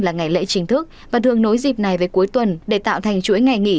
là ngày lễ chính thức và thường nối dịp này với cuối tuần để tạo thành chuỗi ngày nghỉ